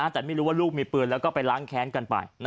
แต่ไม่รู้ว่าลูกมีปืนแล้วก็ไปล้างแค้นกันไป